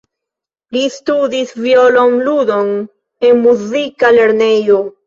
Li studis violon-ludon en muzika lernejo.